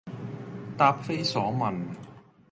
答非所問